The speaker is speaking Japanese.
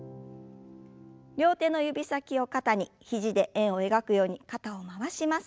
両手の指先を肩に肘で円を描くように肩を回します。